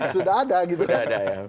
sudah ada gitu kan